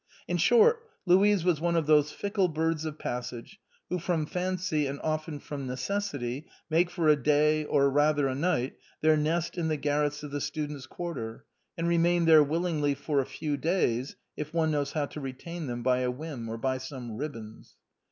In short, Louise was one of those fickle birds of passage who from fancy, and often from necessity, make for a day, or rather a night, their nest in the garrets of the students' quarter, and re main there willingly for a few days, if one knows how to retain them by a whim or by some ribbons.